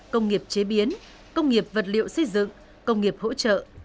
công nghiệp chế biến công nghiệp vật liệu xây dựng công nghiệp hỗ trợ